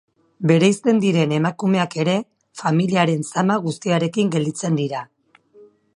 Bereizten diren emakumeak ere, familiaren zama guztiarekin gelditzen dira.